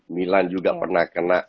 milan juga pernah kena